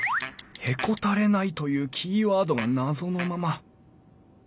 「へこたれない」というキーワードが謎のまま。